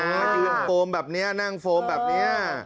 ยืนโฟมแบบนี้นั่งโฟมแบบนี้